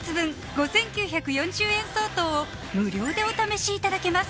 ５９４０円相当を無料でお試しいただけます